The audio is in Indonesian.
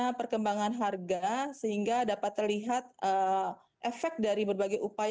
bagaimana perkembangan harga sehingga dapat terlihat efek dari berbagai upaya